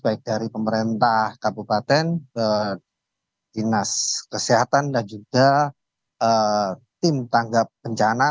baik dari pemerintah kabupaten dinas kesehatan dan juga tim tanggap bencana